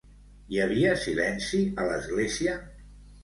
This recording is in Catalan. Hi havia silenci a l'església?